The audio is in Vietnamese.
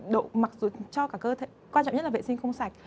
độ mặc dù cho cả cơ thể quan trọng nhất là vệ sinh không sạch